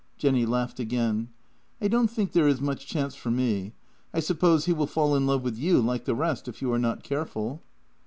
" Jenny laughed again. " I don't think there is much chance for me. I suppose he will fall in love with you, like the rest, if you are not careful."